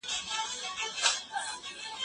دا موضوع زما لپاره یو نوی فرصت و.